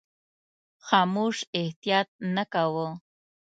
خاموش احتیاط نه کاوه.